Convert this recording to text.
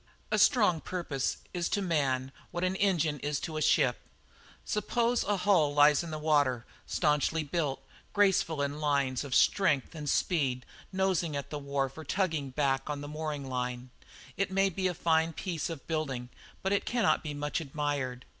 A strong purpose is to a man what an engine is to a ship. Suppose a hull lies in the water, stanchly built, graceful in lines of strength and speed, nosing at the wharf or tugging back on the mooring line, it may be a fine piece of building but it cannot be much admired.